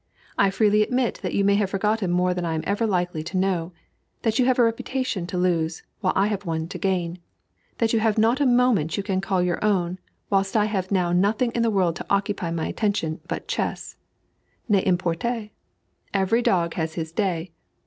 I freely admit that you may have forgotten more than I am ever likely to know; that you have a reputation to lose, while I have one to gain; that you have not a moment you can call your own, whilst I have just now nothing in the world to occupy my attention but chess. N'importe. Every dog has his day.